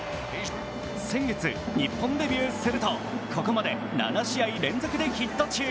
先月、日本でビューするとここまで７試合連続でヒット中。